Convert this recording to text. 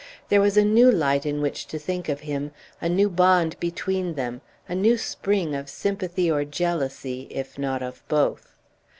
There was a new light in which to think of him, a new bond between them, a new spring of sympathy or jealousy, if not of both.